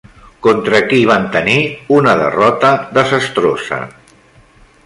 Contra qui van tenir una derrota desastrosa?